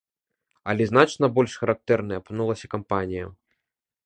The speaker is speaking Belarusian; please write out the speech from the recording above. Але значна больш характэрнай апынулася кампанія.